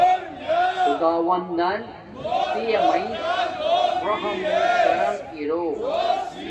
خداوندن پیامیس رحم مو کرم اِرو